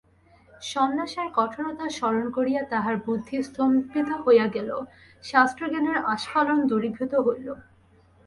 সন্ন্যাসের কঠোরতা স্মরণ করিয়া তাহার বুদ্ধি স্তম্ভিত হইয়া গেল, শাস্ত্রজ্ঞানের আস্ফালন দূরীভূত হইল।